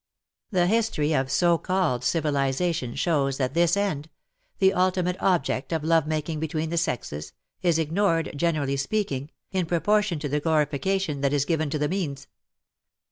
The history of so called civilization shows that this end — the ultimate object of love making between the sexes — is ignored, generally speak ing, in proportion to the glorification that is given to the means.